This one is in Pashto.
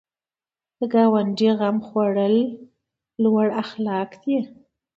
د ګاونډي غم خوړل لوړ اخلاق دي